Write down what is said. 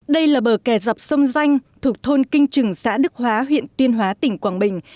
đây là bờ kè dọc sông danh thuộc thôn kinh chừng xã đức hóa huyện tuyên hóa tỉnh quảng bình